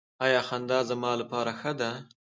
ایا خندا زما لپاره ښه ده؟